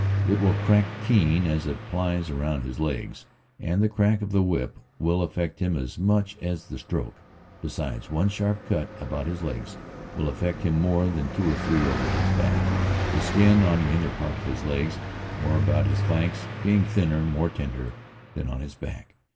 It will crack keen as it plies around his legs, and the crack of the whip will affect him as much as the stroke; besides one sharp cut about his legs will affect him more than two or three over his back, the skin on the inner part of his legs or about his flank being thinner, more tender than on his back.